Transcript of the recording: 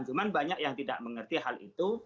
cuma banyak yang tidak mengerti hal itu